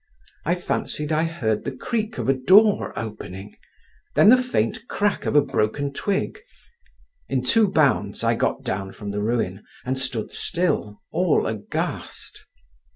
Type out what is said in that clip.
I fancied I heard the creak of a door opening, then the faint crack of a broken twig. In two bounds I got down from the ruin, and stood still, all aghast.